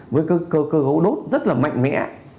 với cơ gấu đốt rất là mạnh mẽ